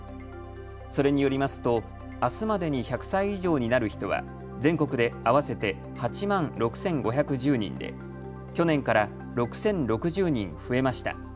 それによりますとあすまでに１００歳以上になる人は全国で合わせて８万６５１０人で去年から６０６０人増えました。